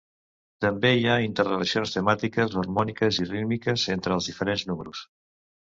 També hi ha interrelacions temàtiques, harmòniques i rítmiques entre els diferents números.